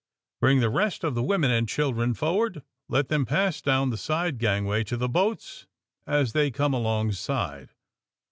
Bring the rest of the women and children for ward. Let them pass down the side gangway to the boats as they come alongside.